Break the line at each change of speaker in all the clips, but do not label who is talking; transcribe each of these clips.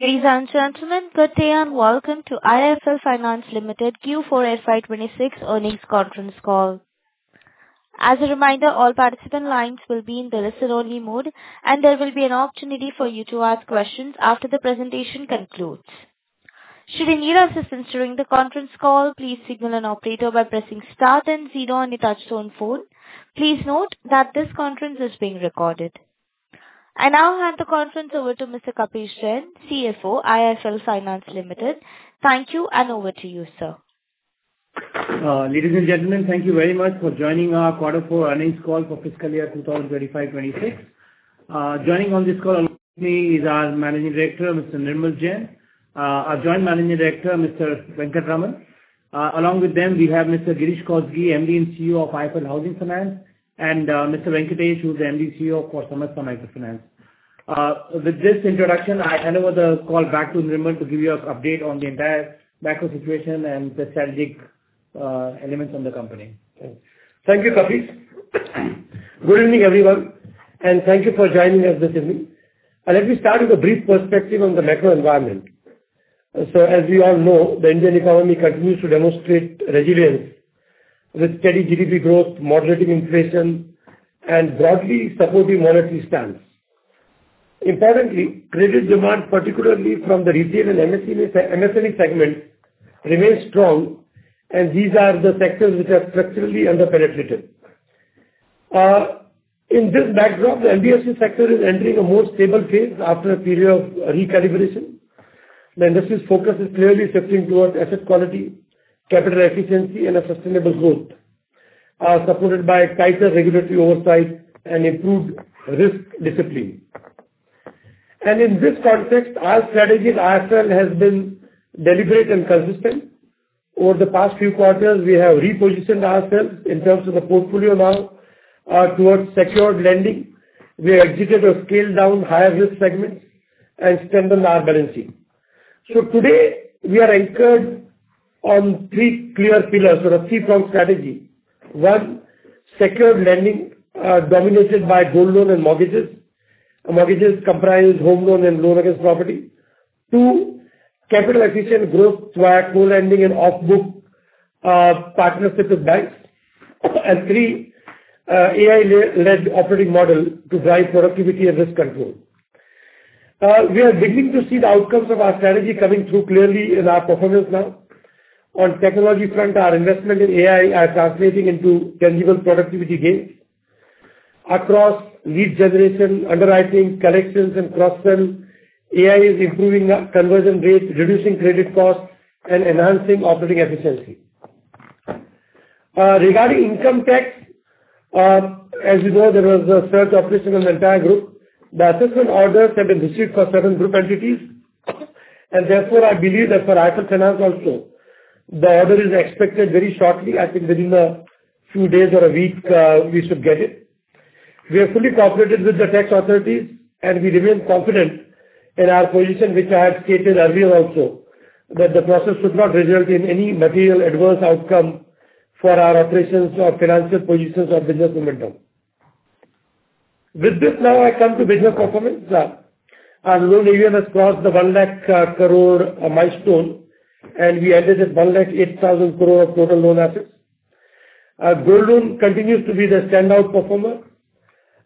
Ladies and gentlemen, good day and welcome to IIFL Finance Limited Q4 FY 2026 Earnings Conference Call. I now hand the conference over to Mr. Kapish Jain, CFO, IIFL Finance Limited. Thank you, and over to you, sir.
Ladies and gentlemen, thank you very much for joining our quarter four earnings call for fiscal year 2025, 2026. Joining on this call with me is our Managing Director, Mr. Nirmal Jain, our Joint Managing Director, Mr. R. Venkataraman. Along with them, we have Mr. Girish Kousgi, MD & CEO of IIFL Housing Finance, and Mr. Venkatesh, who's the MD and CEO of [IIFL] Samasta Finance. With this introduction, I hand over the call back to Nirmal to give you a update on the entire macro situation and the strategic elements on the company.
Thank you, Kapish. Good evening, everyone, thank you for joining us this evening. Let me start with a brief perspective on the macro environment. As you all know, the Indian economy continues to demonstrate resilience with steady GDP growth, moderating inflation, and broadly supportive monetary stance. Importantly, credit demand, particularly from the retail and MSME segment, remains strong, these are the sectors which are structurally underpenetrated. In this backdrop, the NBFC sector is entering a more stable phase after a period of recalibration. The industry's focus is clearly shifting towards asset quality, capital efficiency and a sustainable growth, supported by tighter regulatory oversight and improved risk discipline. In this context, our strategy at IIFL has been deliberate and consistent. Over the past few quarters, we have repositioned ourselves in terms of the portfolio now, towards secured lending. We have exited or scaled down higher risk segments and strengthened our balance sheet. Today, we are anchored on three clear pillars or a three-pronged strategy: one, secured lending, dominated by gold loan and mortgages- mortgages comprise home loan and loan against property. Two, capital efficient growth through our co-lending and off-book partnerships with banks. Three, AI-led operating model to drive productivity and risk control. We are beginning to see the outcomes of our strategy coming through clearly in our performance now. On technology front, our investment in AI are translating into tangible productivity gains, across lead generation, underwriting, collections and cross-sell, AI is improving conversion rates, reducing credit costs and enhancing operating efficiency. Regarding income tax, as you know, there was a search operation on the entire group. The assessment orders have been received for certain group entities. Therefore, I believe that for IIFL Finance also, the order is expected very shortly- I think within a few days or a week, we should get it. We have fully cooperated with the tax authorities, and we remain confident in our position, which I have stated earlier also, that the process should not result in any material adverse outcome for our operations or financial positions or business momentum. Now I come to business performance. Our loan AUM has crossed the 1 lakh crore milestone, and we ended at 108,000 crore of total loan assets. Gold loan continues to be the standout performer.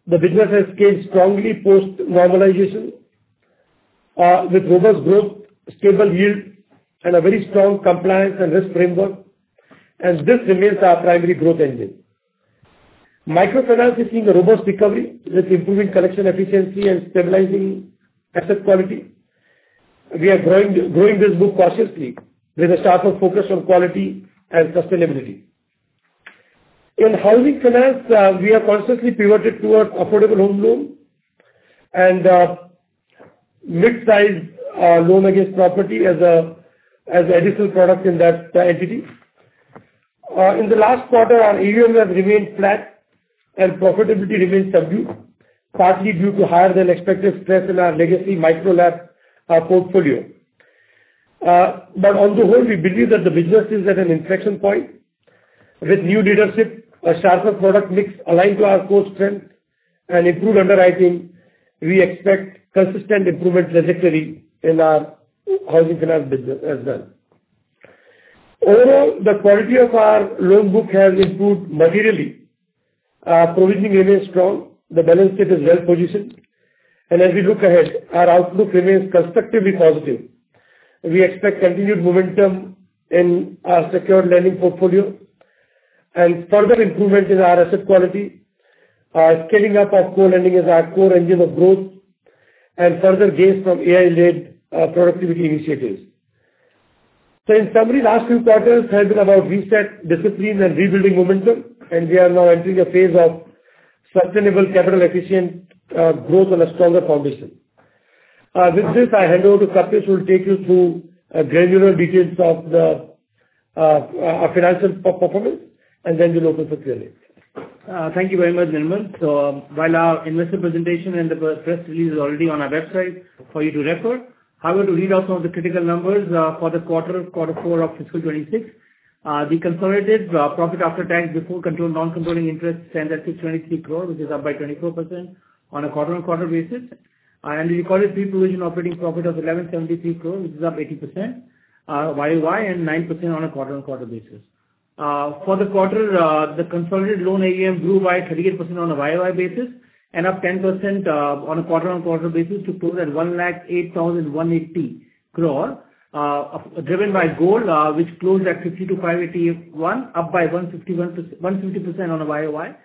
The business has scaled strongly post normalization, with robust growth, stable yield and a very strong compliance and risk framework. This remains our primary growth engine. Microfinance is seeing a robust recovery with improving collection efficiency and stabilizing asset quality. We are growing this book cautiously with a sharper focus on quality and sustainability. In housing finance, we are consciously pivoted towards affordable home loan and mid-sized loan against property as additional product in that entity. In the last quarter, our AUM has remained flat and profitability remains subdued, partly due to higher than expected stress in our legacy Micro LAP- our portfolio. On the whole, we believe that the business is at an inflection point with new leadership, a sharper product mix aligned to our core strength and improved underwriting. We expect consistent improvement trajectory in our housing finance business as well. Overall, the quality of our loan book has improved materially. Provisioning remains strong. The balance sheet is well-positioned. As we look ahead, our outlook remains constructively positive. We expect continued momentum in our secured lending portfolio and further improvement in our asset quality, scaling up of co-lending as our core engine of growth and further gains from AI-led productivity initiatives. In summary, last few quarters have been about reset discipline and rebuilding momentum, and we are now entering a phase of sustainable capital efficient growth on a stronger foundation. With this, I hand over to Kapish, who will take you through a granular details of the our financial performance, and then we'll open for Q&A.
Thank you very much, Nirmal. While our Investor Presentation and the Press Release is already on our website for you to refer, I'm going to read out some of the critical numbers for the quarter of quarter four of fiscal 2026. The consolidated profit after tax before controlled non-controlling interest stand at 223 crore, which is up by 24% on a quarter-on-quarter basis. We recorded pre-provision operating profit of 1,173 crore, which is up 80% YoY and 9% on a quarter-on-quarter basis. For the quarter, the consolidated loan AUM grew by 38% on a YoY basis and up 10% on a quarter-on-quarter basis to close at 1,08,180 crore, driven by gold, which closed at 52,581 crore, up by 150% on a YoY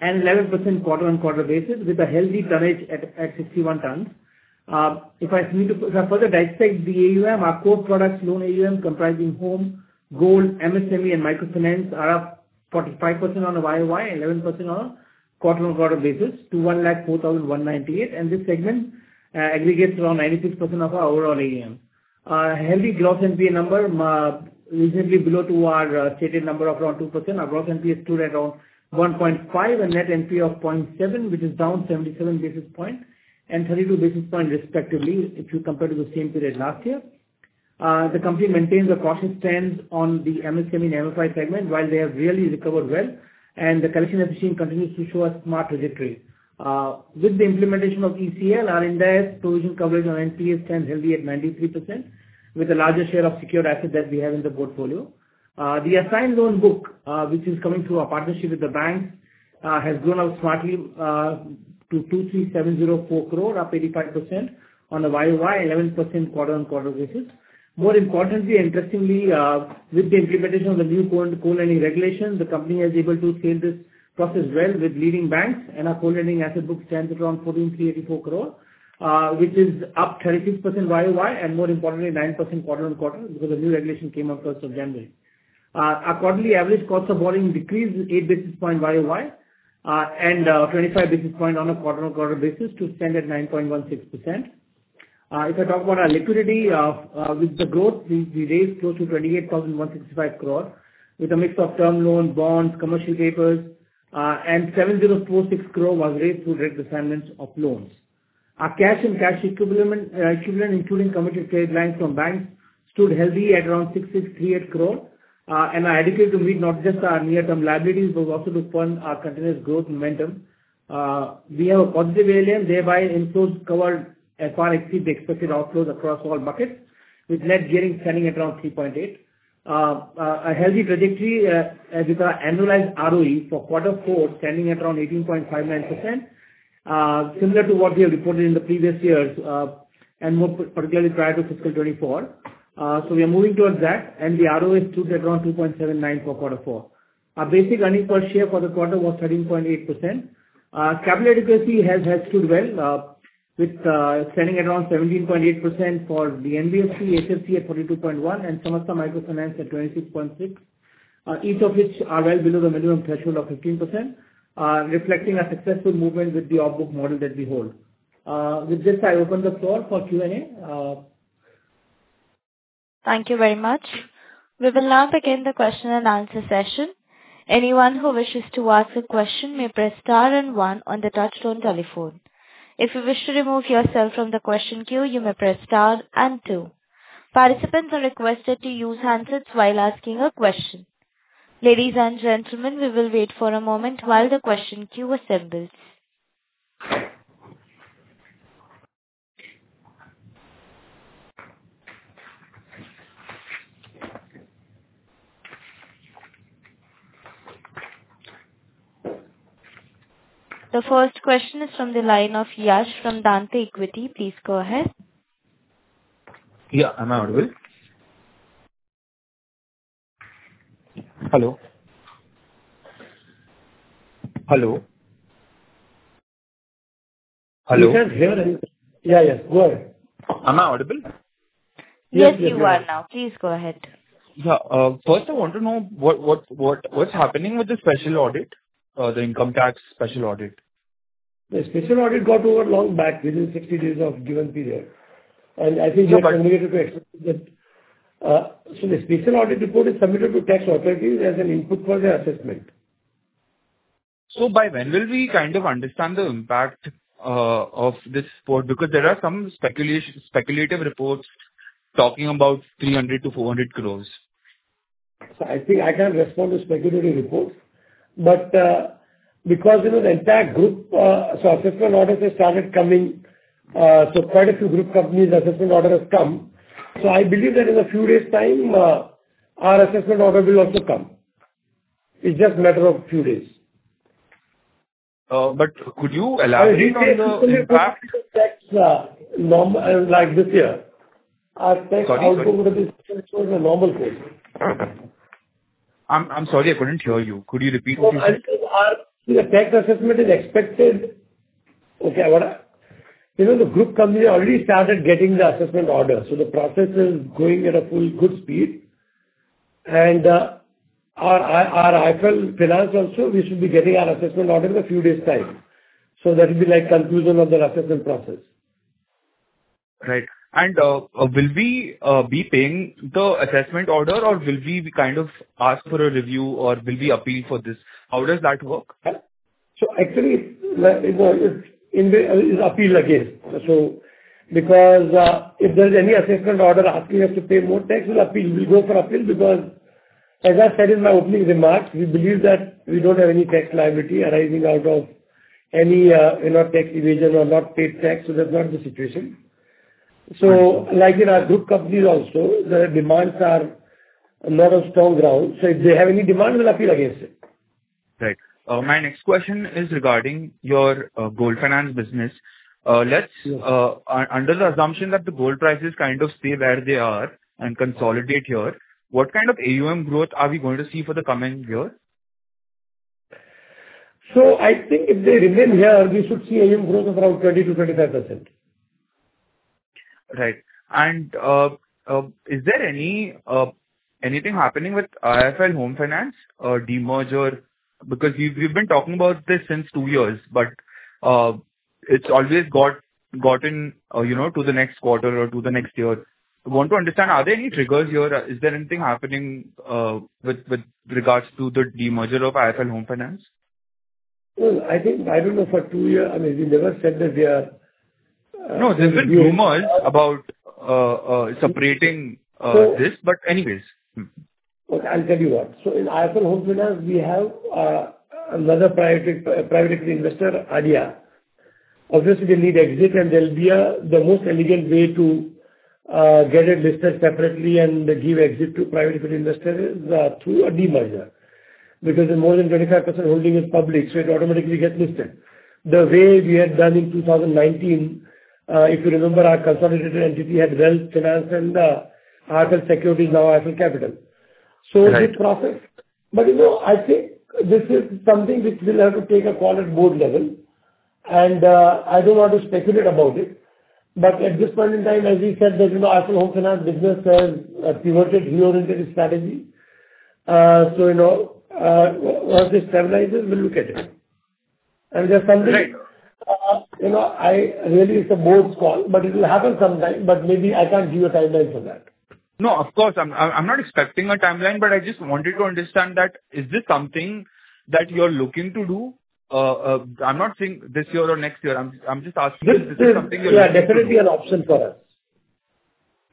and 11% quarter-on-quarter basis with a healthy tonnage at 61 tons. If I need to further dissect the AUM, our core products loan AUM comprising home, gold, MSME and microfinance are up 45% on a YoY and 11% on a quarter-on-quarter basis to 1,04,198 crore, and this segment aggregates around 96% of our overall AUM. Healthy gross NPA number recently below to our stated number of around 2%. Our gross NPA stood at around 1.5% and net NPA of 0.7%, which is down 77 basis points and 32 basis points respectively if you compare to the same period last year. The company maintains a cautious stand on the MSME and MFI segment, while they have really recovered well and the collection machine continues to show a smart trajectory. With the implementation of ECL, our indirect provision coverage on NPA stands healthy at 93% with the largest share of secured assets that we have in the portfolio. The assigned loan book, which is coming through our partnership with the banks, has grown up smartly to 23,704 crore, up 85% on a YoY, 11% quarter-on-quarter basis. More importantly, interestingly, with the implementation of the new gold loaning regulations, the company is able to sail this process well with leading banks and our gold lending asset book stands around 14,384 crore, which is up 36% YoY, and more importantly, 9% quarter-on-quarter because the new regulation came on first of January. Our quarterly average cost of borrowing decreased 8 basis points YoY, and 25 basis points on a quarter-on-quarter basis to stand at 9.16%. If I talk about our liquidity, with the growth, we raised close to 28,165 crore with a mix of term loans, bonds, commercial papers, and 7,046 crore was raised through reassignments of loans. Our cash and cash equivalent, including committed credit lines from banks, stood healthy at around 6,638 crore and are adequate to meet not just our near-term liabilities, but also to fund our continuous growth momentum. We have a positive ALM, thereby improves covered FRAC- the expected outflows across all buckets with net gearing standing at around 3.8%. A healthy trajectory, with our annualized ROE for quarter four standing at around 18.59%, similar to what we have reported in the previous years, and more particularly prior to FY 2024. We are moving towards that, and the ROA stood at around 2.79% for quarter four. Our basic earnings per share for the quarter was 13.8%. Capital adequacy has stood well, with standing at around 17.8% for the NBFC, HFC at 42.1%, and Samasta Microfinance at 26.6%, each of which are well below the minimum threshold of 15%, reflecting our successful movement with the off-book model that we hold. With this, I open the floor for Q&A.
Thank you very much. We will now begin the question and answer session. The first question is from the line of Yash from Dante Equities. Please go ahead.
Yeah. Am I audible? Hello? Hello? Hello?
Yes, hear you. Yeah, yeah. Go ahead.
Am I audible?
Yes.
Yes, you are now. Please go ahead.
Yeah. First I want to know what's happening with the special audit, the income tax special audit?
The special audit got over long back within 60 days of given period.
No-
We are committed to it. The special audit report is submitted to tax authorities as an input for their assessment.
By when will we kind of understand the impact of this report? Because there are some speculative reports talking about 300 crore-400 crore.
I think I can't respond to speculative reports. Because, you know, the entire group- assessment orders have started coming. Quite a few group companies assessment order has come. I believe that in a few days' time, our assessment order will also come. It's just matter of few days.
Could you elaborate on the impact?
This is a typical tax, norm, like this year.
Sorry-
The outturn would have been considered a normal case.
I'm sorry, I couldn't hear you. Could you repeat please?
I think our the tax assessment is expected. Okay. You know, the group company already started getting the assessment order, so the process is going at a full good speed. Our IIFL Finance also, we should be getting our assessment order in a few days' time. That will be like conclusion of the assessment process.
Right. Will we be paying the assessment order or will we be kind of ask for a review or will we appeal for this? How does that work?
Actually, it's, in the, it's appealed against- because, if there's any assessment order asking us to pay more tax, we'll appeal. We'll go for appeal because as I said in my opening remarks, we believe that we don't have any tax liability arising out of any, you know, tax evasion or not paid tax. That's not the situation. Like in our group companies also, the demands are not on strong ground. If they have any demand, we will appeal against it.
Right. My next question is regarding your gold finance business.
Yeah.
Under the assumption that the gold prices kind of stay where they are and consolidate here, what kind of AUM growth are we going to see for the coming year?
I think if they remain here, we should see AUM growth of around 20%-25%.
Right. Is there any anything happening with IIFL Home Finance demerger? We've been talking about this since two years, but it's always gotten, you know, to the next quarter or to the next year. I want to understand, are there any triggers here? Is there anything happening with regards to the demerger of IIFL Home Finance?
Well, I think- I don't know for two years. I mean- we never said that we are.
No, there's been rumors about separating this, but anyways.
Look, I'll tell you what. In IIFL Home Finance, we have another private equity investor, ADIA. Obviously, they need exit, and there'll be a- the most elegant way to get it listed separately and give exit to private equity investor is through a demerger. If more than 25% holding is public, it automatically gets listed. The way we had done in 2019, if you remember, our consolidated entity had Wealth, Finance, and Securities, now IIFL Capital.
Right.
It's a process. You know, I think this is something which we'll have to take a call at board level, and I don't want to speculate about it. At this point in time, as we said that, you know, IIFL Home Finance business has pivoted, reoriented its strategy. You know, once it stabilizes, we'll look at it. There's something- you know, I really it's a board's call, but it will happen sometime, but maybe I can't give a timeline for that.
No, of course. I'm not expecting a timeline, but I just wanted to understand that is this something that you're looking to do? I'm not saying this year or next year. I'm just asking is this something you're looking to do?
This is, yeah, definitely an option for us.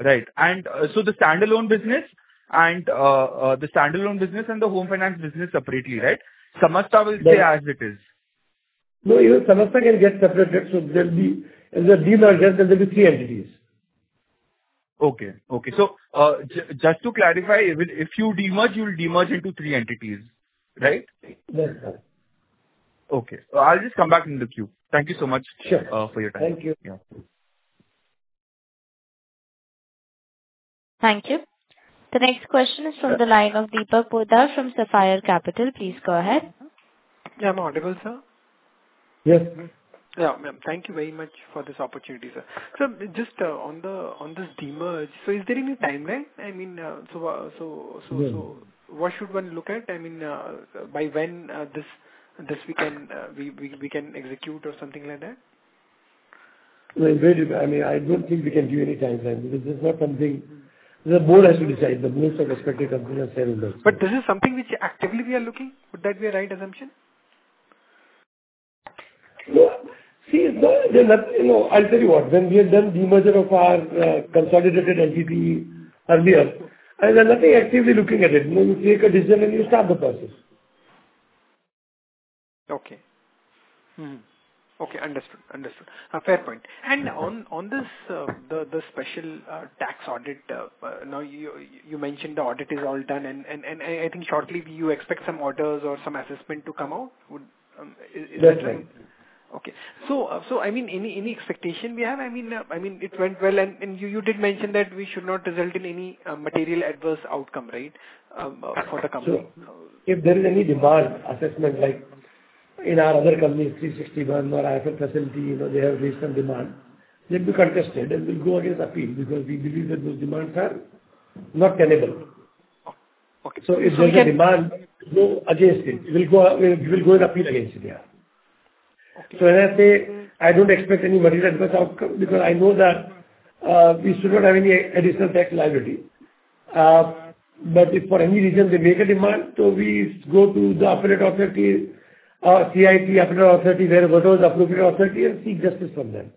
Right. The standalone business and the home finance business separately, right? Samasta will stay as it is.
No, even Samasta can get separated. There'll be, if the demerger, there'll be three entities.
Okay. Okay. Just to clarify, if you demerge, you'll demerge into three entities, right?
Yes, sir.
Okay. I'll just come back in the queue. Thank you so much...
Sure.
...for your time.
Thank you.
Yeah.
Thank you. The next question is from the line of Deepak Poddar from Sapphire Capital. Please go ahead.
Yeah. I'm audible, sir?
Yes.
Yeah. Thank you very much for this opportunity, sir. Just on the, on this demerge, is there any timeline? I mean- what should one look at? I mean, by when, this we can, we can execute or something like that?
No, I mean, I don't think we can give any timeline because this is not something. The board has to decide. The boards of respective companies have to decide on that.
This is something which actively we are looking- would that be a right assumption?
No. See, no, there's nothing. You know, I'll tell you what. When we had done demerger of our consolidated entity earlier, there's nothing actively looking at it. You know, you take a decision and you start the process.
Okay. Okay. Understood. Understood. Fair point. On this, the special tax audit, now, you mentioned the audit is all done and I think shortly you expect some orders or some assessment to come out. Would, is that right?
That's right.
Okay. I mean, any expectation we have? I mean, it went well and you did mention that we should not result in any material adverse outcome, right, for the company?
If there is any demand assessment like in our other companies, 360 One or IIFL Facilities, you know, they have raised some demand, they'll be contested and we'll go against appeal because we believe that those demands are not tenable.
Okay.
If there's a demand, go against it. We'll go and appeal against it, yeah. When I say I don't expect any material adverse outcome because I know that we should not have any additional tax liability. But if for any reason they make a demand, we go to the appellate authority or CIT appellate authority, where whatever is the appropriate authority, and seek justice from them.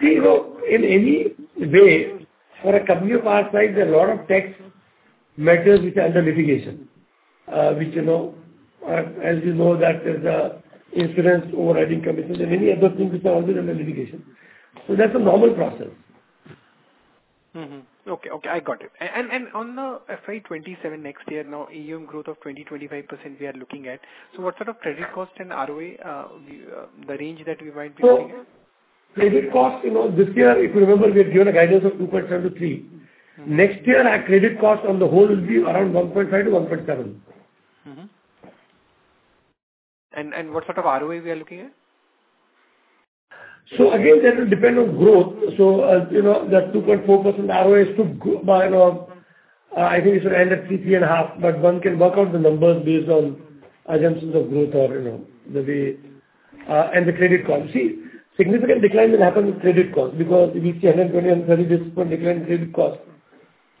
You know, in any way, for a company of our size, there are a lot of tax matters which are under litigation, which, you know, as you know, that there's an insurance overriding commission and many other things which are also under litigation. That's a normal process.
Okay, I got it. On the FY 2027 next year, now AUM growth of 20%-25% we are looking at. What sort of credit cost and ROA the range that we might be looking at?
Credit cost, you know, this year, if you remember, we had given a guidance of 2.7% to 3%. Next year, our credit cost on the whole will be around 1.5%-1.7%.
What sort of ROA we are looking at?
Again, that will depend on growth. You know, that 2.4% ROA- I think it should end at 3%-3.5%, but one can work out the numbers based on assumptions of growth or, you know, the way, and the credit cost. See, significant decline will happen with credit cost because we see 120 basis point-130 basis point decline in credit cost.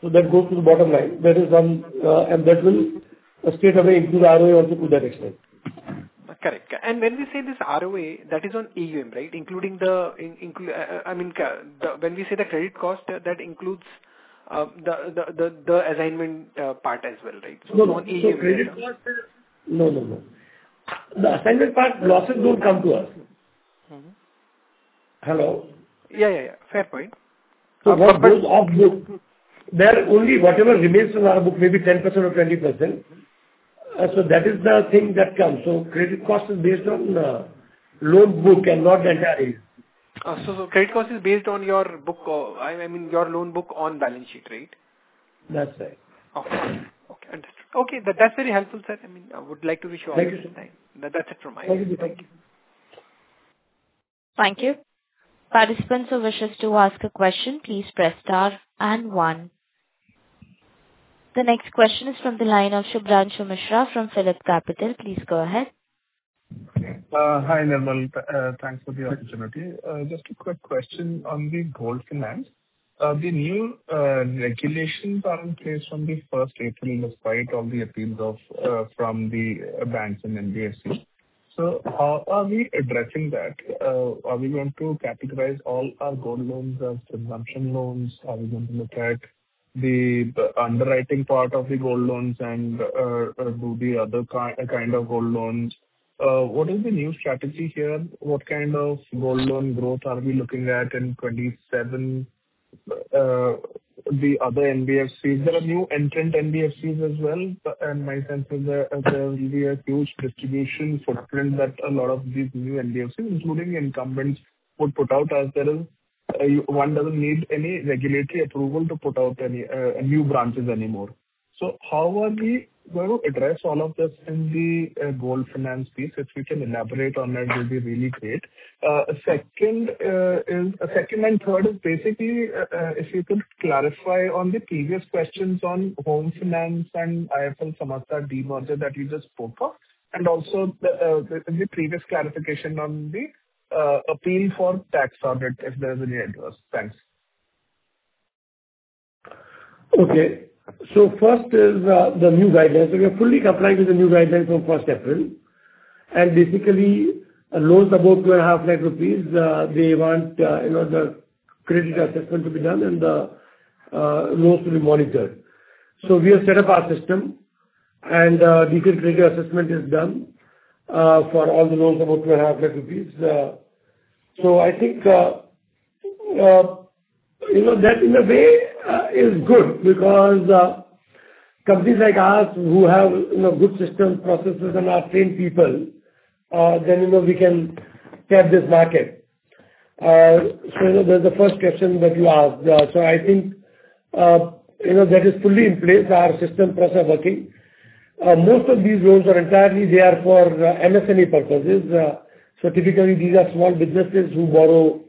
That goes to the bottom line. That is one, and that will straightaway improve the ROA also to that extent.
Correct. When we say this ROA, that is on AUM, right? Including the- I mean, when we say the credit cost, that includes the assignment part as well, right?
No, no.
non-AUM?
credit cost-
Yeah.
No, no. The assignment part losses don't come to us. Hello?
Yeah, yeah. Fair point.
What goes off-book, there only whatever remains in our book, maybe 10% or 20%. That is the thing that comes. Credit cost is based on the loan book and not the entire rate.
credit cost is based on your book, I mean, your loan book on balance sheet, right?
That's right.
Okay. Okay, understood. Okay. That's very helpful, sir. I would like to wish you all a good night.
Thank you, Deepak.
That's it from my end.
Thank you. Thank you.
Thank you. Participants who wishes to ask a question, please press star and one. The next question is from the line of Shubhranshu Mishra from PhillipCapital. Please go ahead.
Okay. Hi, Nirmal. Thanks for the opportunity. Just a quick question on the gold finance. The new regulations are in place from the 1st April in spite of the appeals from the banks and NBFCs. How are we addressing that? Are we going to categorize all our gold loans as consumption loans? Are we going to look at the underwriting part of the gold loans and do the other kind of gold loans? What is the new strategy here? What kind of gold loan growth are we looking at in 2027? The other NBFCs, there are new entrant NBFCs as well? My sense is that there will be a huge distribution footprint that a lot of these new NBFCs, including incumbents, would put out as there is, one doesn't need any regulatory approval to put out any new branches anymore. How are we going to address all of this in the gold finance piece? If you can elaborate on that, it would be really great. Second and third is basically, if you could clarify on the previous questions on Home Finance and IIFL Samasta demerger that you just spoke of, and also the previous clarification on the appeal for tax audit, if there is any adverse. Thanks.
Okay. First is the new guidelines. Basically, fully complying with the new guidelines- loans above 2.5 lakh rupees, they want, you know, the credit assessment to be done and the loans to be monitored. We have set up our system and detailed credit assessment is done for all the loans above INR 2.5 lakh. I think, you know, that in a way is good because companies like us who have, you know, good systems, processes and are trained people, then, you know, we can tap this market. That's the first question that you asked. I think, you know, that is fully in place. Our system process are working. Most of these loans are entirely there for MSME purposes. So typically these are small businesses who borrow,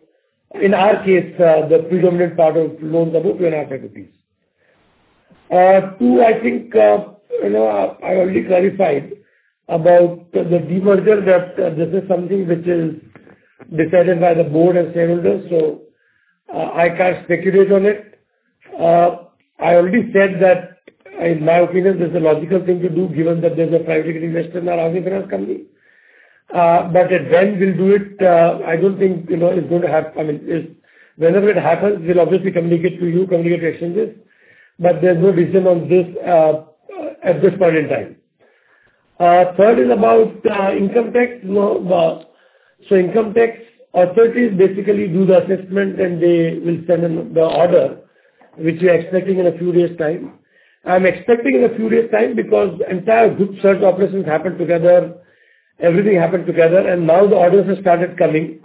in our case, the predominant part of loans above INR 2.5 lakh. Two, I think, you know, I already clarified about the demerger, that this is something which is decided by the board and shareholders. I can't speculate on it. I already said that in my opinion, this is a logical thing to do given that there's a strategic investor in our housing finance company. But when we'll do it, I don't think, you know, whenever it happens, we'll obviously communicate to you, communicate to exchanges, but there's no reason on this at this point in time. Third is about income tax. So income tax authorities basically do the assessment and they will send the order which we are expecting in a few days time. I'm expecting in a few days time because entire group search operations happened together, everything happened together, and now the orders have started coming.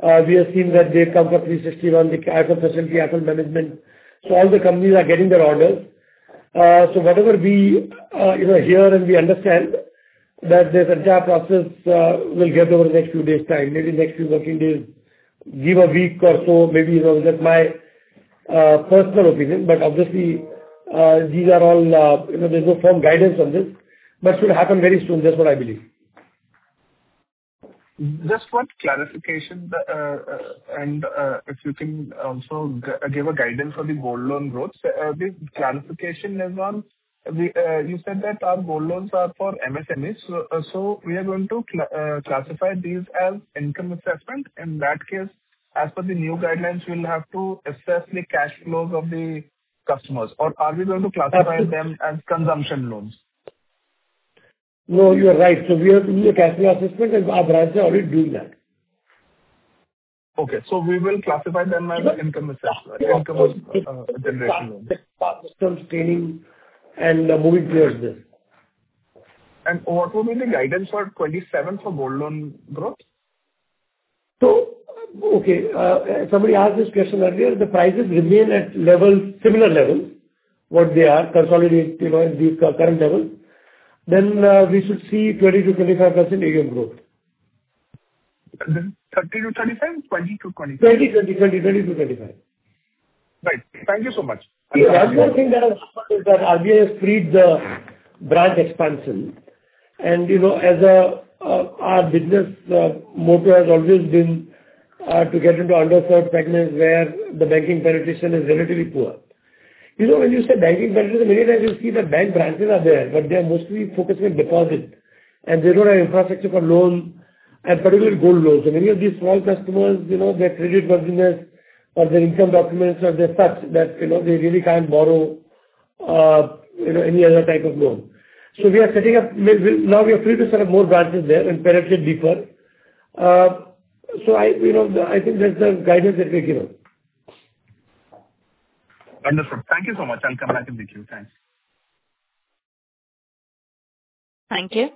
We have seen that they've come for 360 ONE, IIFL Facilities, IIFL Management. All the companies are getting their orders. Whatever we, you know, hear and we understand that this entire process will get over the next few days time, maybe next few working days. Give a week or so maybe. You know, that's my personal opinion. Obviously, these are all, you know, there's no firm guidance on this. Should happen very soon. That's what I believe.
Just one clarification, and if you can also give a guidance for the gold loan growth. The clarification is on the, you said that our gold loans are for MSMEs. We are going to classify these as income assessment. In that case, as per the new guidelines, we will have to assess the cash flows of the customers or are we going to classify them as consumption loans?
No, you are right. We have to do a cash flow assessment and our branches are already doing that.
Okay. We will classify them as income assessment, income generation loans...
...sustaining and moving towards this.
What will be the guidance for 2027 for gold loan growth?
Okay. Somebody asked this question earlier. The prices remain at level- similar level, what they are consolidated, you know, in the current level. We should see 20%-25% AUM growth.
Is it 30%-35% or 20%-25%?
20, 20%-25%.
Right. Thank you so much.
The other thing that has happened is that RBI has freed the branch expansion. You know, as our business motto has always been to get into underserved segments where the banking penetration is relatively poor. You know, when you say banking penetration, many times you see the bank branches are there, but they are mostly focused on deposit, and they don't have infrastructure for loans and particularly gold loans. Many of these small customers, you know, their creditworthiness or their income documents are just such that, you know, they really can't borrow. You know, any other type of loan. We are setting up, maybe now we are free to set up more branches there and penetrate deeper. I, you know, I think that's the guidance that we give.
Wonderful. Thank you so much. I'll come back if we can. Thanks.
Thank you.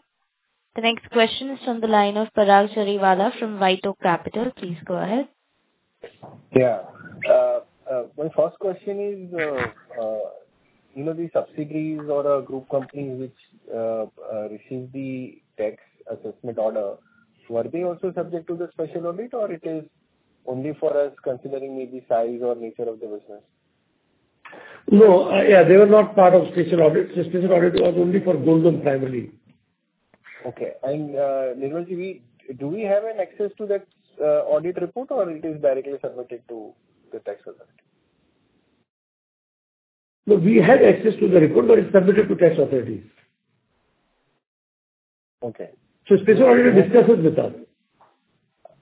The next question is from the line of Parag Jariwala from WhiteOak Capital. Please go ahead.
Yeah. My first question is, you know, the subsidiaries or group companies which received the tax assessment order, were they also subject to the special audit or it is only for us considering maybe size or nature of the business?
No. Yeah, they were not part of special audit. Special audit was only for Golden primarily.
Okay. Nirmal-ji, do we have an access to that audit report or it is directly submitted to the tax authority?
No, we had access to the report, but it's submitted to tax authorities.
Okay.
Special auditor discusses with us.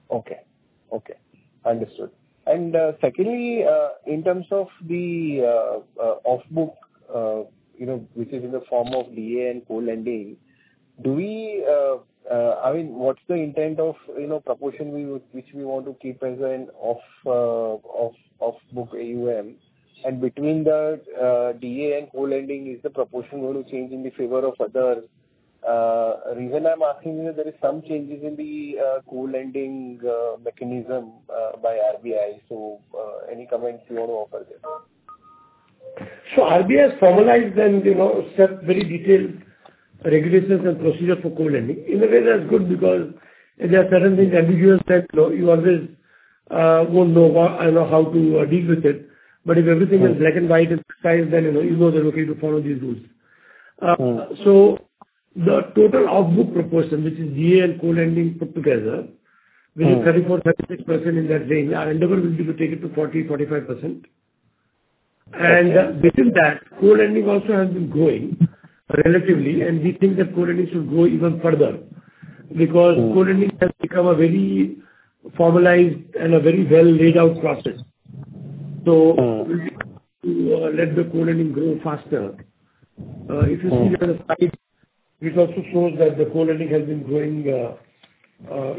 Okay. Okay. Understood. Secondly, in terms of the off-book, you know, which is in the form of DA and co-lending, do we I mean, what's the intent of, you know, proportion we would, which we want to keep as an off-book AUM? Between the DA and co-lending, is the proportion going to change in the favor of other? Reason I'm asking is there is some changes in the co-lending mechanism by RBI. Any comments you want to offer there?
RBI has formalized and, you know, set very detailed regulations and procedure for co-lending. In a way, that's good because there are certain things ambiguous that, you know, you always won't know how to deal with it. If everything is black and white and precise, then, you know, you know the way to follow these rules. The total off-book proportion, which is DA and co-lending put together- which is 34%-36% in that range, our endeavor will be to take it to 40%-45%. Within that, co-lending also has been growing relatively, and we think that co-lending should grow even further. Co-lending has become a very formalized and a very well laid out process. We would like to let the co-lending grow faster. If you see the slide, it also shows that the co-lending has been growing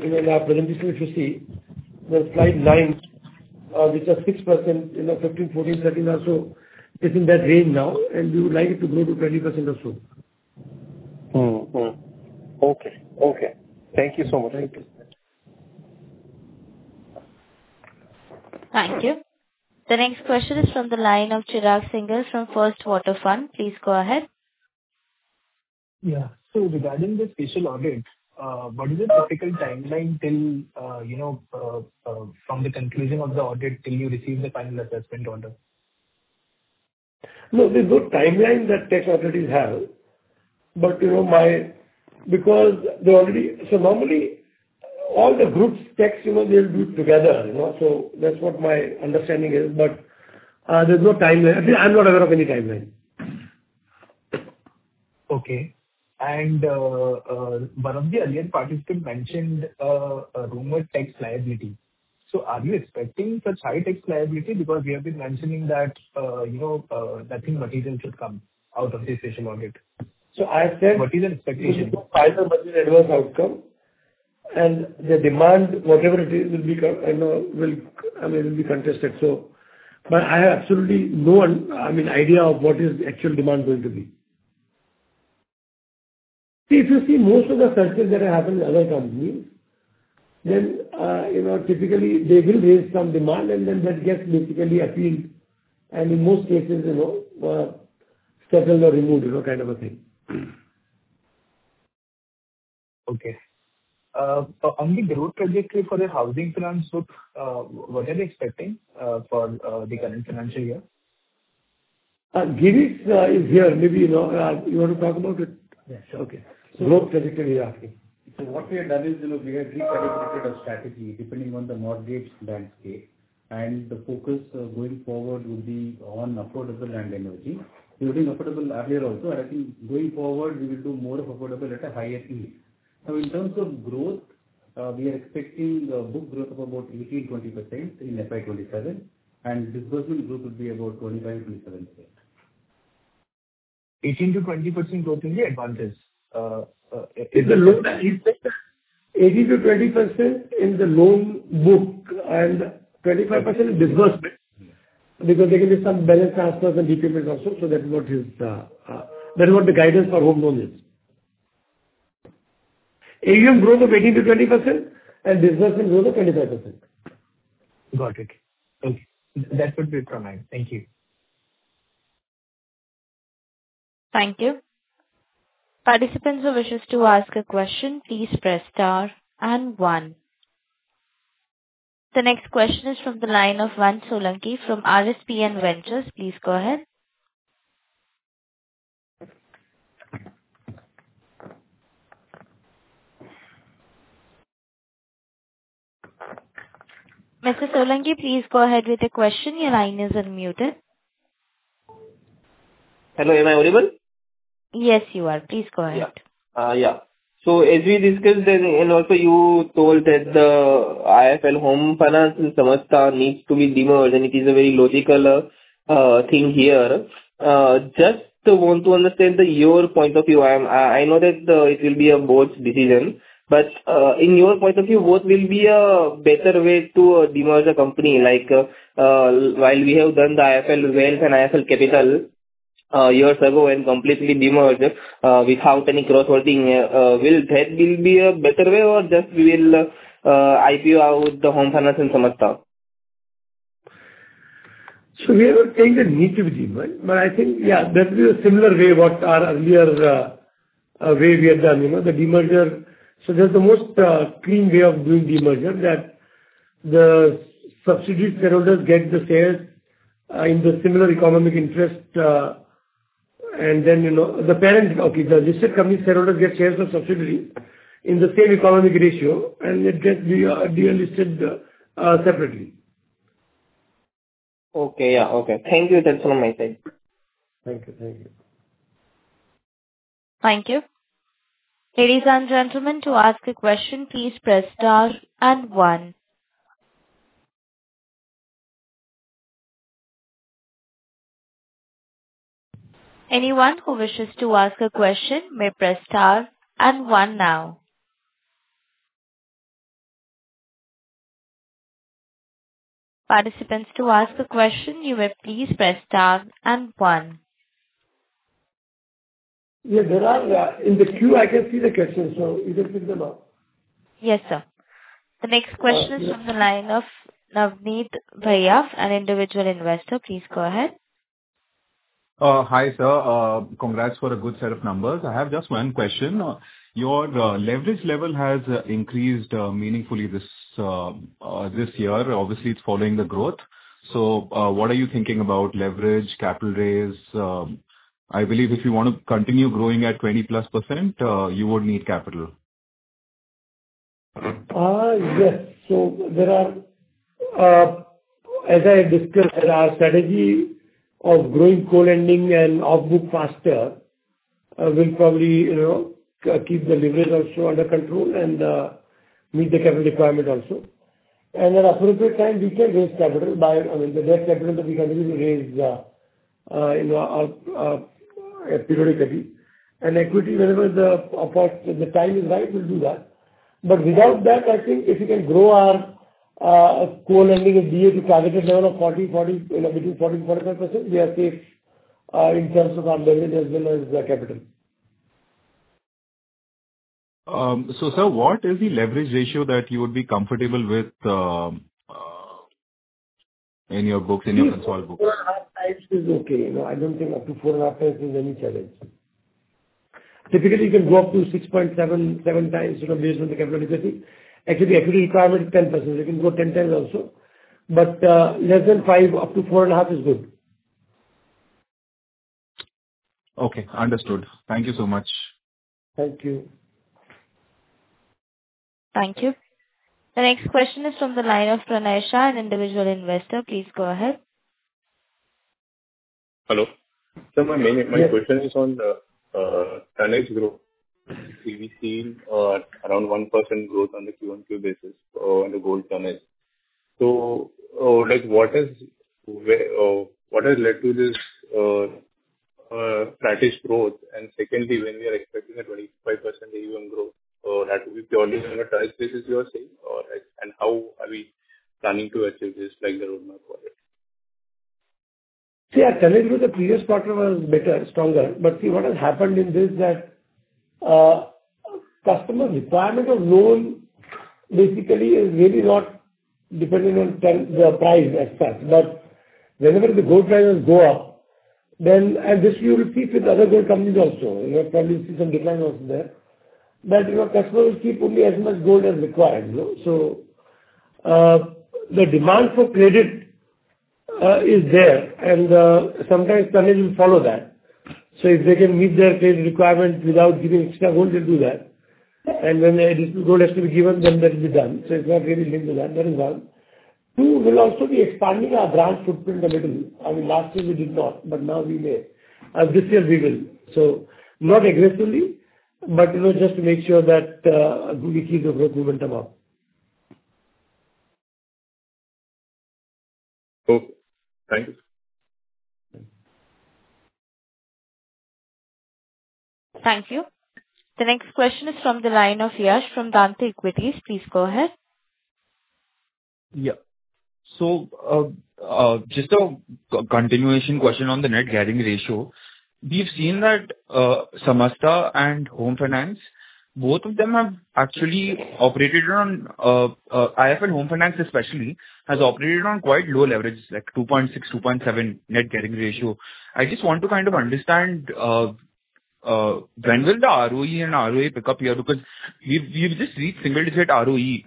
in our presentation if you see, the slide nine, which was 6%, you know, 15%, 14%, 13% or so, it's in that range now. We would like it to grow to 20% or so.
Okay. Okay. Thank you so much.
Thank you.
Thank you. The next question is from the line of Chirag Singhal from First Water Fund. Please go ahead.
Yeah. Regarding the special audit, what is the typical timeline till, you know, from the conclusion of the audit till you receive the final assessment order?
No, there's no timeline that tax authorities have, because- normally, all the groups' tax, you know, they'll do it together, you know. That's what my understanding is. There's no timeline, I'm not aware of any timeline.
Okay. And, one of the earlier participant mentioned a rumored tax liability. Are you expecting such high tax liability? We have been mentioning that, you know, nothing material should come out of this special audit.
So I've said-
What is the expectation?
This is not final, but it is adverse outcome. The demand, whatever it is, will be contested. I have absolutely no idea of what is actual demand going to be. If you see most of the searches that have happened in other companies, typically they will raise some demand and then that gets basically appealed. In most cases, settled or removed.
Okay. On the growth trajectory for the housing finance book, what are we expecting for the current financial year?
Girish, is here. Maybe, you know, you want to talk about it?
Yes. Okay. Growth trajectory he's asking. What we have done is, you know, we have re-categorized our strategy depending on the mortgage landscape. The focus going forward will be on affordable and emerging. We were doing affordable earlier also, and I think going forward, we will do more of affordable at a higher scale. In terms of growth, we are expecting a book growth of about 18%-20% in FY 2027, and disbursement growth would be about 25.7%.
18%-20% growth in the advances.
It's a low, 18%-20% in the loan book and 25% in disbursement.
There can be some balance transfers and prepayments also, so that is what is, that is what the guidance for home loans is?
AUM growth of 18%-20% and disbursement growth of 25%.
Got it. Okay. That would be it from my end. Thank you.
Thank you. Participants who wish to ask a question, please press star and one. The next question is from the line of Vansh Solanki from RSPN Ventures. Please go ahead. Mr. Solanki, please go ahead with the question. Your line is unmuted.
Hello, am I audible?
Yes, you are. Please go ahead.
Yeah. As we discussed then, and also you told that the IIFL Home Finance and Samasta needs to be demerged, and it is a very logical thing here. I just want to understand your point of view- I know that it will be a board's decision, but in your point of view, what will be a better way to demerge a company? Like, while we have done the IIFL Wealth and IIFL Capital years ago and completely demerged without any cross-holding, will that be a better way or just we will IPO out the Home Finance and Samasta?
We were saying that need to demerge, but I think, yeah, that will be a similar way what our earlier way we have done, you know, the demerger. That's the most clean way of doing demerger that the subsidiary shareholders get the shares in the similar economic interest, and then, you know, the parent, the listed company shareholders get shares of subsidiary in the same economic ratio and it gets delisted separately.
Okay. Yeah. Okay. Thank you. That's all my side.
Thank you. Thank you.
Thank you. Ladies and gentlemen, to ask a question, please press star and one. Anyone who wishes to ask a question may press star and one now. Participants, to ask a question, you may please press star and one.
Yeah, there are in the queue I can see the questions, so you can pick them up.
Yes, sir. The next question is from the line of Navneet Bhaiya, an individual investor. Please go ahead.
Hi, sir. Congrats for a good set of numbers. I have just one question. Your leverage level has increased meaningfully this year. Obviously, it's following the growth. What are you thinking about leverage, capital raise? I believe if you want to continue growing at +20%, you would need capital.
Yes. There are, as I discussed, our strategy of growing core lending and off-book faster, will probably keep the leverage also under control and meet the capital requirement also. At appropriate time we can raise capital by the debt capital that we can even raise periodically. Equity whenever the, of course, the time is right, we'll do that. Without that, I think if we can grow our core lending of DA to targeted level of 40%- between 40% and 45%, we are safe in terms of our leverage as well as the capital.
Sir, what is the leverage ratio that you would be comfortable with, in your books, in your consolidated books?
Four and half times is okay. You know, I don't think up to four and a half times is any challenge. Typically, you can go up to 6.7 times, you know, based on the capital density. Actually, equity requirement is 10%. You can go 10 times also, but less than 5 up to 4.5 Is good.
Okay. Understood. Thank you so much.
Thank you.
Thank you. The next question is from the line of Pranay Shah, an individual investor. Please go ahead.
Hello. Sir, my main...
Yes.
...my question is on the tonnage growth. We've seen around 1% growth on the QoQ basis on the gold tonnage. Like, what has led to this tonnage growth? And secondly, when we are expecting a 25% year-on-year growth, that will be purely on a tonnage basis, you are saying? Or, like, and how are we planning to achieve this, like the roadmap for it?
See, our tonnage growth the previous quarter was better, stronger. What has happened is this that, customer requirement of loan basically is really not dependent on the price as such. Whenever the gold prices go up, then- this you will see with other gold companies also- you have probably seen some decline also there. Your customers keep only as much gold as required. The demand for credit is there, and sometimes tonnage will follow that. If they can meet their credit requirement without giving extra gold, they'll do that. When the gold has to be given, that will be done. It's not really linked to that. That is one. Two, we'll also be expanding our branch footprint a little. I mean, last year we did not, but now we may. This year we will. Not aggressively, but, you know, just to make sure that we keep the growth momentum up.
Okay. Thank you.
Thank you. The next question is from the line of Yash from Dante Equities. Please go ahead.
Yeah. Just a continuation question on the net gearing ratio. We've seen that Samasta and Home Finance, both of them have actually operated on IIFL Home Finance especially has operated on quite low leverage, like 2.6%-2.7% net gearing ratio. I just want to kind of understand when will the ROE and ROA pick up here? Because we've just reached single-digit ROE in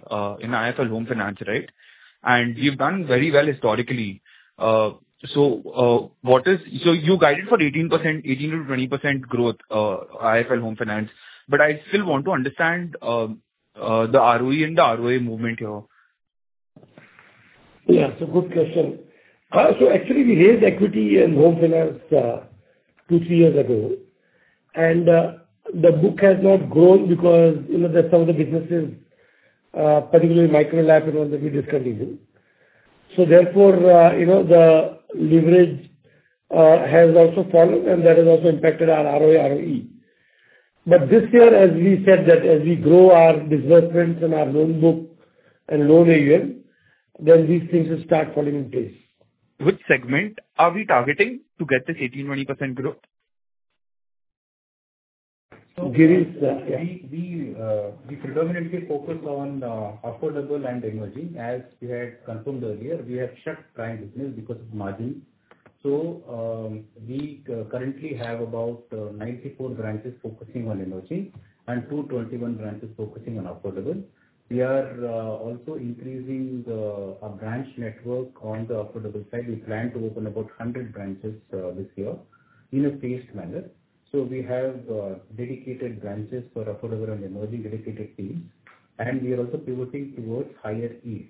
IIFL Home Finance, right? You've done very well historically. You guided for 18%, 18%-20% growth, IIFL Home Finance. I still want to understand the ROE and the ROA movement here.
Yeah. Good question. Actually we raised equity in Home Finance two, three years ago, and the book has not grown because, you know, some of the businesses, particularly microfinance and all that we discontinued. Therefore, you know, the leverage has also fallen, and that has also impacted our ROA, ROE. This year, as we said that as we grow our disbursements and our loan book and loan AUM, then these things will start falling in place.
Which segment are we targeting to get this 18%-20% growth?
Girish?
We predominantly focus on affordable and emerging. As we had confirmed earlier, we have shut prime business because of margin. We currently have about 94 branches focusing on emerging and 221 branches focusing on affordable. We are also increasing our branch network on the affordable side. We plan to open about 100 branches this year in a phased manner. We have dedicated branches for affordable and emerging dedicated teams. We are also pivoting towards higher yield.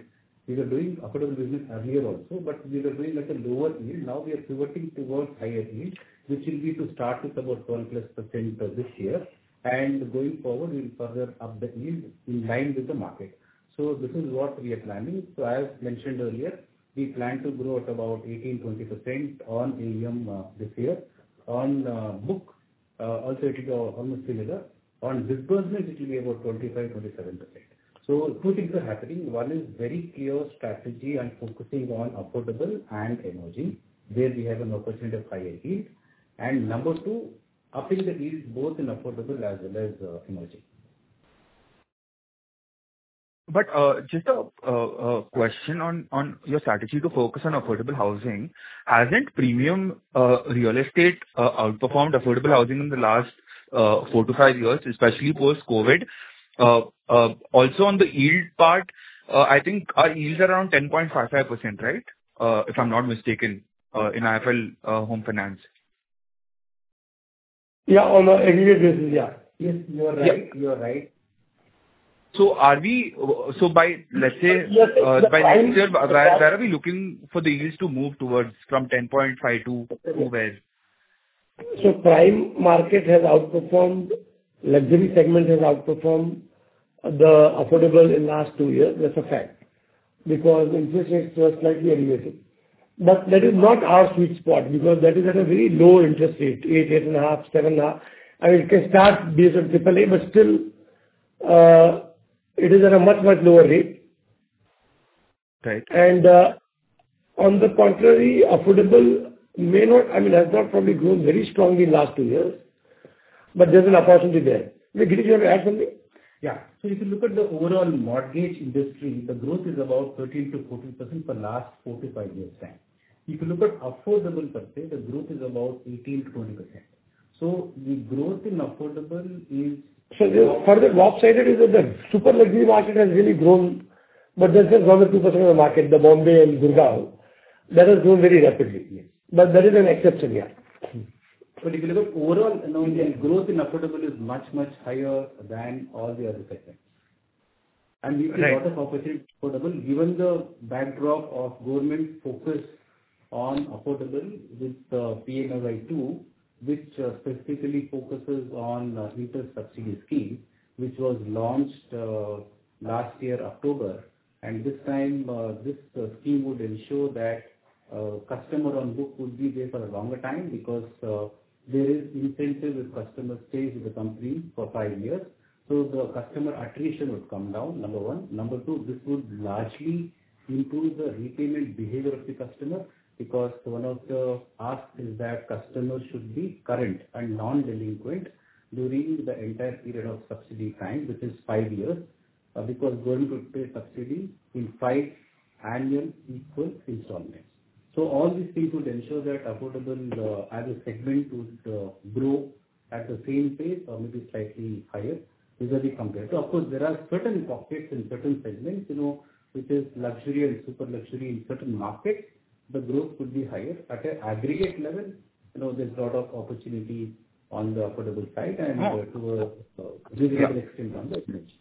We were doing affordable business earlier also, but we were doing at a lower yield. Now we are pivoting towards higher yield, which will be to start with about 12%+ this year. Going forward, we'll further up the yield in line with the market. This is what we are planning. As mentioned earlier, we plan to grow at about 18%-20% on AUM this year. On book also it is almost similar. On disbursement it will be about 25%-27%. Two things are happening. One is very clear strategy and focusing on affordable and emerging, where we have an opportunity of higher yield. Number two, upping the yield both in affordable as well as emerging.
Just a question on your strategy to focus on affordable housing. Hasn't premium real estate outperformed affordable housing in the last four-five years, especially post-COVID? Also on the yield part, I think our yield is around 10.55%, right- if I'm not mistaken, in IIFL Home Finance.
Yeah. On the aggregate basis. Yeah. Yes, you are right. You are right.
So are we... So by, let's say-
Yes-
...by next year, where are we looking for the yields to move towards from 10.5% to where?
Prime market has outperformed, luxury segment has outperformed the affordable in last two years. That's a fact, because interest rates were slightly aggressive. That is not our sweet spot because that is at a very low interest rate, 8%, 8.5%, 7.5%. It can start based on AAA, but still, it is at a much, much lower rate. On the contrary, affordable may not, I mean, has not probably grown very strongly in last two years, but there's an opportunity there. Girish, you want to add something?
Yeah. If you look at the overall mortgage industry, the growth is about 13%-14% for last four-five years' time. If you look at affordable per se, the growth is about 18%-20%.
Further lopsided is that the super luxury market has really grown, but that's a smaller 2% of the market, the Bombay and Gurgaon. That has grown very rapidly. Yes. That is an exception. Yeah.
If you look at overall, you know, the growth in affordable is much, much higher than all the other segments. We see a lot of opportunity in affordable, given the backdrop of government focus on affordable with PMAY- 2, which specifically focuses on interest subsidy scheme, which was launched last year October. This time, this scheme would ensure that customer on book would be there for a longer time because there is incentive if customer stays with the company for five years. The customer attrition would come down, number one. Number two, this would largely improve the repayment behavior of the customer because one of the asks is that customers should be current and non-delinquent during the entire period of subsidy time, which is five years, because government would pay subsidy in five annual equal installments. All these things would ensure that affordable, as a segment would, grow at the same pace or maybe slightly higher vis-à-vis compared. Of course there are certain pockets in certain segments, you know, which is luxury and super luxury in certain markets, the growth could be higher. At a aggregate level, you know, there's lot of opportunity on the affordable side and to a greater extent on the emerging.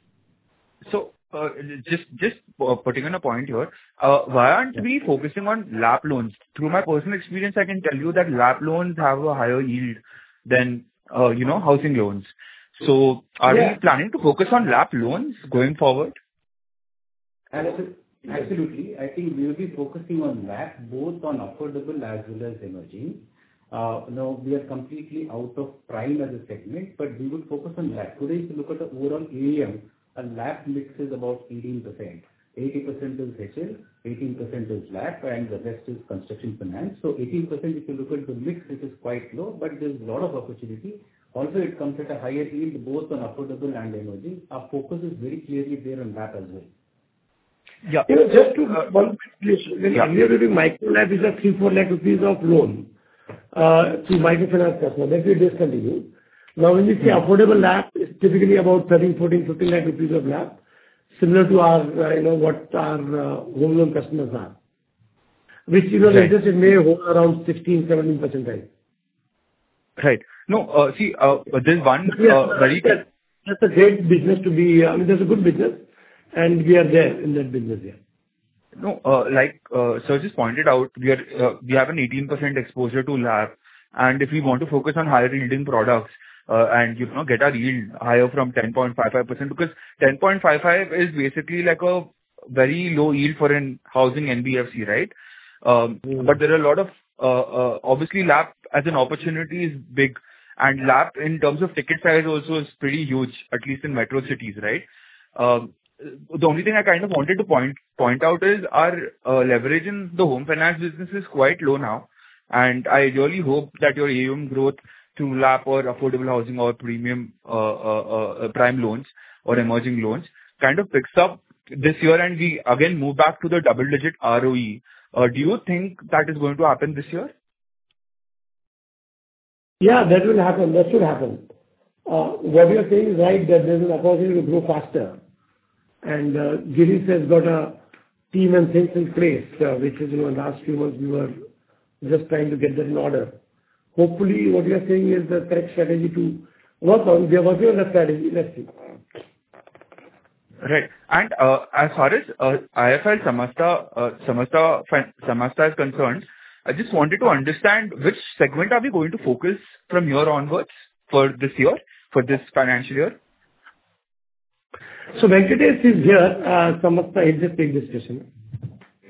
Just putting on a point here. Why aren't we focusing on LAP loans? Through my personal experience, I can tell you that LAP loans have a higher yield than, you know, housing loans. Are we...
Yeah.
...planning to focus on LAP loans going forward?
Absolutely. I think we'll be focusing on LAP both on affordable as well as emerging. You know, we are completely out of prime as a segment, we would focus on LAP. Today if you look at the overall AUM, our LAP mix is about 18%. 80% is HL, 18% is LAP, the rest is construction finance. 18%, if you look at the mix, it is quite low, there's lot of opportunity. It comes at a higher yield both on affordable and emerging. Our focus is very clearly there on LAP as well.
Yeah.
You know, just to one quick thing.
Yeah.
Earlier it'll be Micro LAP is a 3 lakh-4 lakh rupees of loan to microfinance customer that we discontinued. Now, when we say affordable LAP is typically about 13 lakh, 14 lakh, 15 lakh rupees of LAP similar to our, you know, what our home loan customers are. Which is adjusted may around 16%-17%, right?
Right. No, see, there's one-
Yes, that's a great business to be, I mean, that's a good business, and we are there in that business, yeah.
No, like sir pointed out, we have an 18% exposure to LAP. If we want to focus on higher-yielding products, and, you know, get our yield higher from 10.55% because 10.55% is basically like a very low yield for a housing NBFC, right? There are a lot of obviously LAP as an opportunity is big and LAP in terms of ticket size also is pretty huge, at least in metro cities, right? The only thing I kind of wanted to point out is our leverage in the home finance business is quite low now, and I really hope that your AUM growth to LAP or affordable housing or premium prime loans or emerging loans kind of picks up this year and we again move back to the double-digit ROE. Do you think that is going to happen this year?
Yeah, that will happen- that should happen. What you're saying is right, that this is affordable will grow faster. Girish has got a team and things in place, which is, you know, in last few months we were just trying to get that in order. Hopefully, what you are saying is the correct strategy to work on. We are working on that strategy. Let's see.
Right. As far as IIFL Samasta is concerned, I just wanted to understand which segment are we going to focus from here onwards for this year- for this financial year?
Venkatesh is here. Samasta is taking this decision.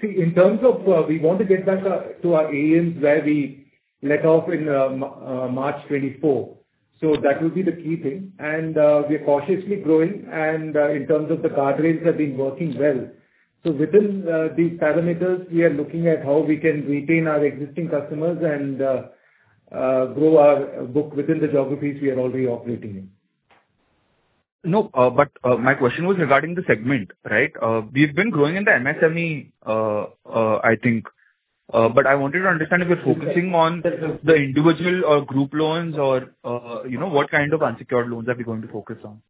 See, in terms of, we want to get back to our AUM where we let off in March 2024. That will be the key thing. We're cautiously growing and in terms of the card rates have been working well. Within these parameters, we are looking at how we can retain our existing customers and grow our book within the geographies we are already operating in.
No, my question was regarding the segment, right? We've been growing in the MSME, I think. I wanted to understand if you're focusing on the individual or group loans or, you know, what kind of unsecured loans are we going to focus on?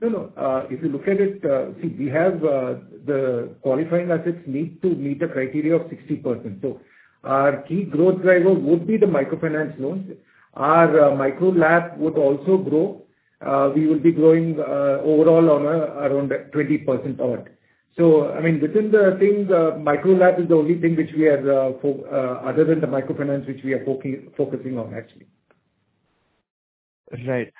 No, no. If you look at it- see, we have, the qualifying assets need to meet a criteria of 60%. Our key growth driver would be the microfinance loans. Our Micro LAP would also grow. We will be growing overall on around 20% forward. I mean, within the things, Micro LAP is the only thing which we are other than the microfinance which we are focusing on actually.
Right.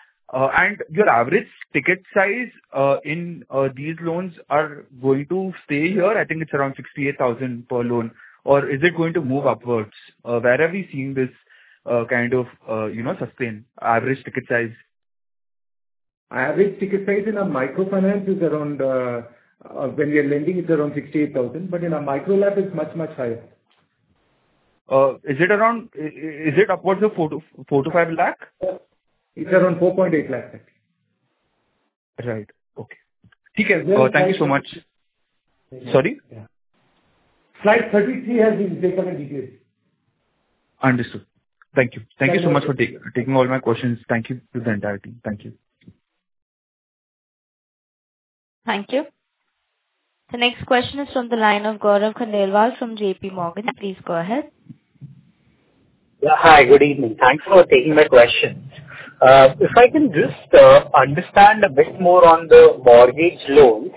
Your average ticket size in these loans are going to stay here. I think it's around 68,000 per loan. Or is it going to move upwards? Where are we seeing this, kind of, you know, sustained average ticket size?
Average ticket size in our microfinance is around, when we are lending, it's around 68,000, but in our Micro LAP, it's much higher.
Is it around, is it upwards of 4 lakh-5 lakh?
It's around 4.8 lakh.
Right. Okay. Thank you so much.
Yeah.
Sorry?
Slide 33 has been taken in detail.
Understood. Thank you. Thank you so much for taking all my questions. Thank you to the entire team. Thank you.
Thank you. The next question is from the line of Gaurav Khandelwal from JPMorgan. Please go ahead.
Yeah. Hi, good evening. Thanks for taking my questions. If I can just understand a bit more on the mortgage loans.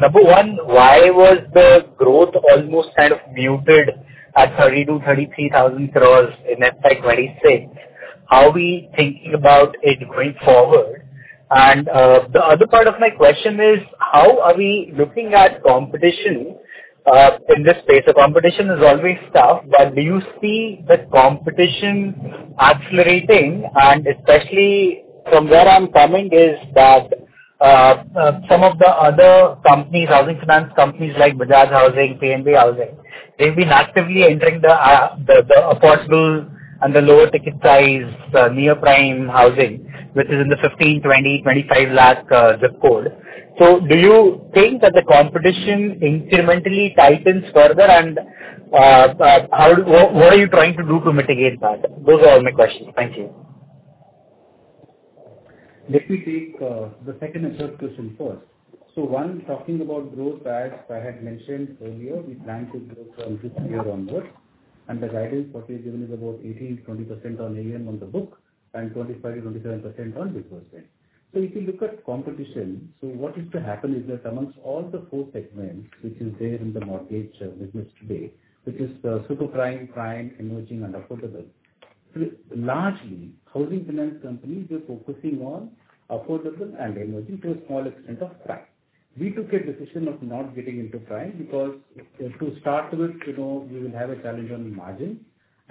Number one, why was the growth almost kind of muted at 32,000-33,000 crore in FY 2026? How are we thinking about it going forward? The other part of my question is how are we looking at competition in this space? The competition is always tough, but do you see the competition accelerating? Especially from where I'm coming is- that some of the other companies- housing finance companies like Bajaj Housing, PNB Housing, they've been actively entering the the affordable and the lower ticket size near prime housing, which is in the 15 lakh, 20 lakh, 25 lakh zip code. Do you think that the competition incrementally tightens further and, how, what are you trying to do to mitigate that? Those are all my questions. Thank you.
Let me take the second and third question first. One, talking about growth, as I had mentioned earlier, we plan to grow from this year onwards, and the guidance what we have given is about 18%-20% on AUM on the book and 25%-27% on disbursement. If you look at competition, what is to happen is that amongst all the four segments which is there in the mortgage business today, which is super prime, emerging and affordable. Largely, housing finance companies were focusing on affordable and emerging to a small extent of prime. We took a decision of not getting into prime because to start with, you know, we will have a challenge on margin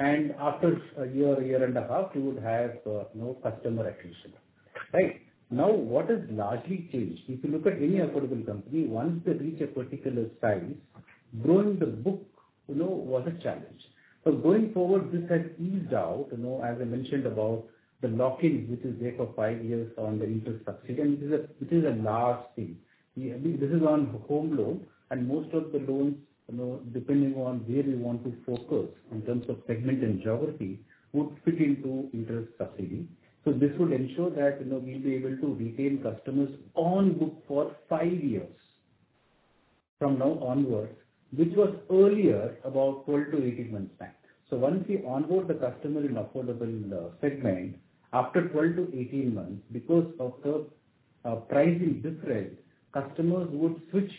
and after a year, a year and a half, we would have, you know, customer attrition. Right. What has largely changed? If you look at any affordable company, once they reach a particular size, growing the book, you know, was a challenge. Going forward, this has eased out. You know, as I mentioned about the lock-in, which is there for five years on the interest subsidy, this is a large thing. I mean, this is on home loan and most of the loans, you know, depending on where we want to focus in terms of segment and geography, would fit into interest subsidy. This would ensure that, you know, we'll be able to retain customers on book for five years from now onwards, which was earlier about 12-18 months back. Once we onboard the customer in affordable segment after 12-18 months, because of the pricing difference, customers would switch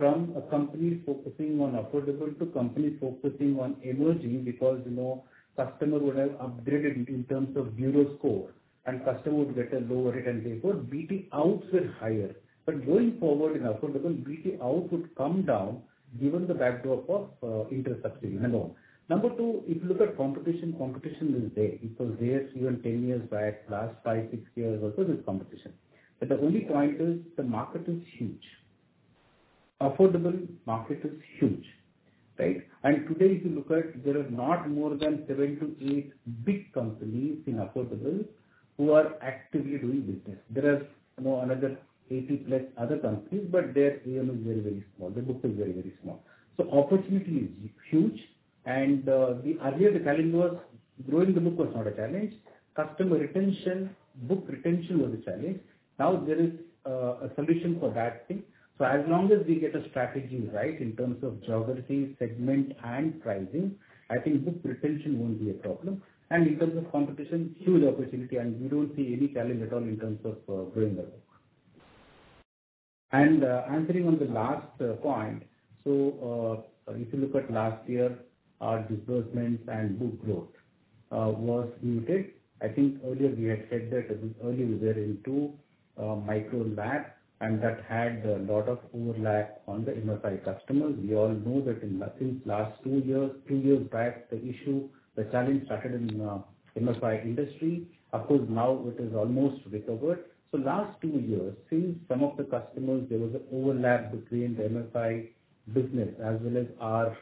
from a company focusing on affordable to company focusing on emerging because, you know, customer would have upgraded in terms of bureau score and customer would get a lower rate and therefore BT outs were higher. Going forward in affordable, BT out would come down given the backdrop of interest subsidy and all. Number two, if you look at competition is there. It was there even 10 years back. Last five, six years also there's competition. The only point is the market is huge. Affordable market is huge, right? Today, if you look at, there are not more than seven to eight big companies in affordable who are actively doing business. There are, you know, another 80-plus other companies, but they're, you know, very, very small. The book is very, very small. Opportunity is huge. The earlier the challenge was growing the book was not a challenge. Customer retention, book retention was a challenge. Now there is a solution for that thing. As long as we get a strategy right in terms of geography, segment and pricing, I think book retention won't be a problem. In terms of competition, huge opportunity and we don't see any challenge at all in terms of growing the book. Answering on the last point. If you look at last year, our disbursements and book growth was muted. I think earlier we had said that early user into micro and LAP, and that had a lot of overlap on the MFI customers. We all know that in, I think last two years- two years back, the issue, the challenge started in MFI industry. Of course, now it is almost recovered. Last two years, since some of the customers there was an overlap between the MFI business as well as our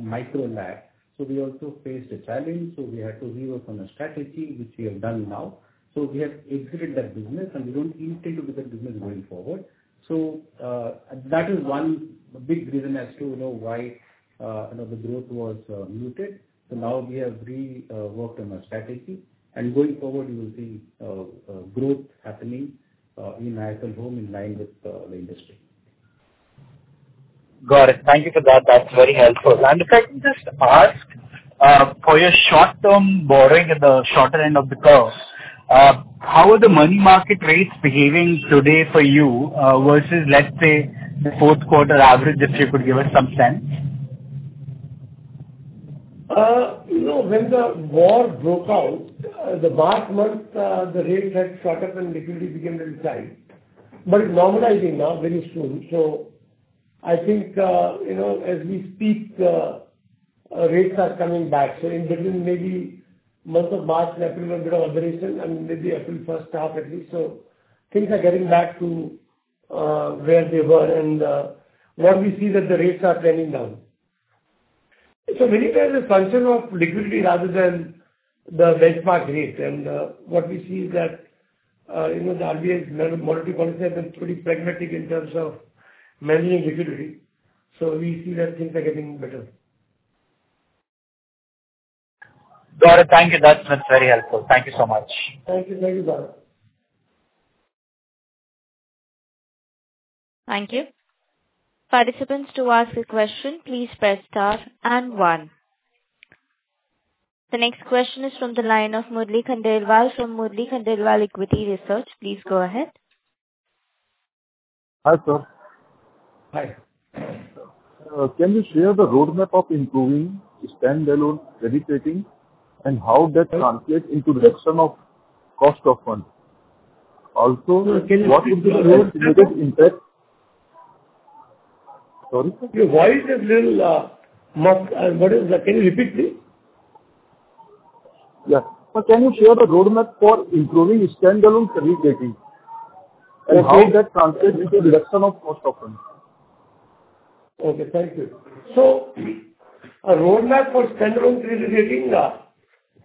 Micro LAP. We also faced a challenge. We had to rework on a strategy which we have done now. We have exited that business and we don't intend to be that business going forward. That is one big reason as to, you know, why, you know, the growth was muted. Now we have worked on our strategy and going forward you will see growth happening in IIFL Home in line with the industry.
Got it. Thank you for that. That's very helpful. If I can just ask, for your short-term borrowing at the shorter end of the curve, how are the money market rates behaving today for you, versus, let's say, the fourth quarter average, if you could give us some sense?
You know, when the war broke out, the last month, the rates had shot up and liquidity became very tight. It's normalizing now very soon. I think, you know, as we speak, rates are coming back. In between maybe month of March and April, a bit of aberration and maybe April first half at least. Things are getting back to where they were and what we see that the rates are trending down. Many times a function of liquidity rather than the benchmark rate. What we see is that, you know, the RBI's monetary policy has been pretty pragmatic in terms of managing liquidity. We see that things are getting better.
Got it. Thank you. That's very helpful. Thank you so much.
Thank you. Thank you, Gaurav.
Thank you. The next question is from the line of Murli Khandelwal from Murli Khandelwal Equity Research. Please go ahead.
Hi, sir.
Hi.
Can you share the roadmap of improving standalone credit rating and how that translates into reduction of cost of funds?
Sir, can you speak little louder?
What would be the estimated impact- Sorry, sir?
Your voice is little, muffled. What is that- can you repeat please?
Yeah. Can you share the roadmap for improving standalone credit rating and how that translates into reduction of cost of funds?
Okay. Thank you. A roadmap for standalone credit rating,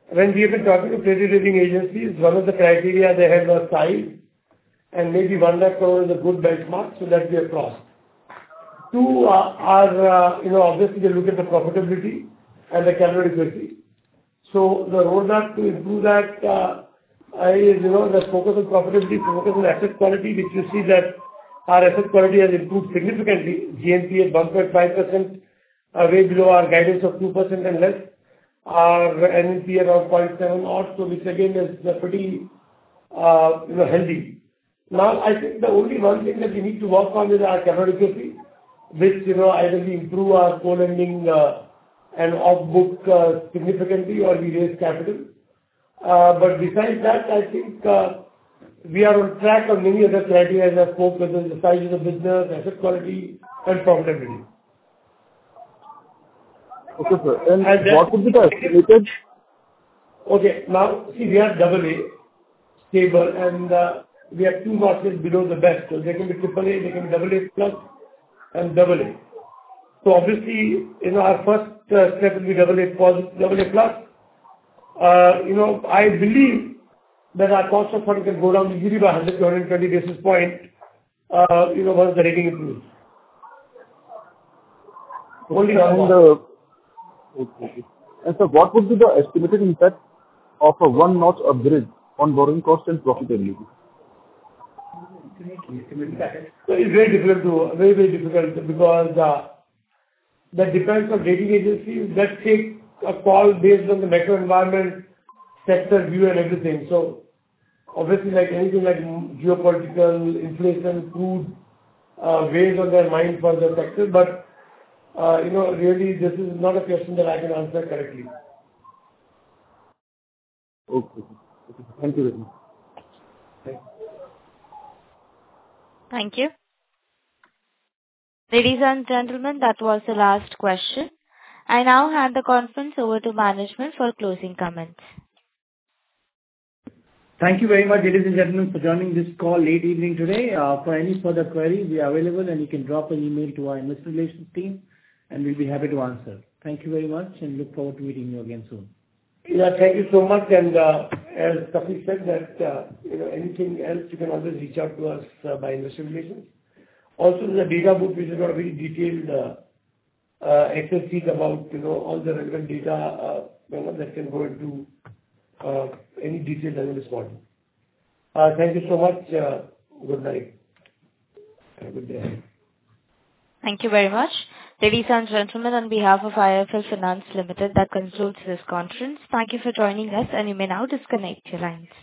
when we have been talking to credit rating agencies, one of the criteria they have are size and maybe 1 lakh crore is a good benchmark, that we have crossed. Two, you know, obviously they look at the profitability and the capital adequacy. The roadmap to improve that, i.e., you know, let's focus on profitability, focus on asset quality, which you see that our asset quality has improved significantly. GNPA bumped by 5%, way below our guidance of 2% and less. Our NPA around 0.7% odd, which again is pretty, you know, healthy. Now, I think the only one thing that we need to work on is our capital adequacy, which, you know, either we improve our co-lending, and off book significantly or we raise capital. Besides that, I think, we are on track on many other criteria as I spoke, that is the size of the business, asset quality and profitability.
Okay, sir. What would be the estimated-
Now, see, we are double A stable and we are two notches below the best. They can be AAA, they can be AA+ and AA. Obviously, you know, our first step will be AA+. You know, I believe that our cost of fund can go down easily by 100 basis point to 220 basis point- you know, once the rating improves.
Okay. Sir, what would be the estimated impact of a one notch upgrade on borrowing cost and profitability?
Very, very difficult because that depends on rating agencies that take a call based on the macro environment, sector view and everything. Obviously like anything like geopolitical, inflation, crude, weighs on their mind for the sector. You know, really this is not a question that I can answer correctly.
Okay. Thank you very much.
Thank you.
Thank you. Ladies and gentlemen, that was the last question. I now hand the conference over to management for closing comments.
Thank you very much, ladies and gentlemen, for joining this call late evening today. For any further queries, we are available and you can drop an email to our investor relations team and we'll be happy to answer. Thank you very much and look forward to meeting you again soon.
Thank you so much. As Kapish said that, you know, anything else you can always reach out to us by Investor Relations. Also the data book which has got very detailed excel sheets about, you know, all the relevant data, you know, that can go into any detail that you require. Thank you so much. Good night. Have a good day.
Thank you very much. Ladies and gentlemen, on behalf of IIFL Finance Limited, that concludes this conference. Thank you for joining us. You may now disconnect your lines.